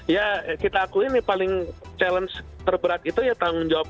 ya kita akui nih paling challenge terberat itu ya tanggung jawab